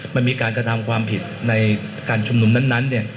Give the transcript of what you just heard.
มันมีการกระทำความผิดในการชุมนุมนั้น